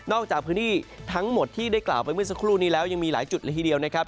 จากพื้นที่ทั้งหมดที่ได้กล่าวไปเมื่อสักครู่นี้แล้วยังมีหลายจุดละทีเดียวนะครับ